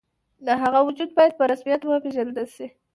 د هغه وجود باید په رسمیت وپېژندل شي.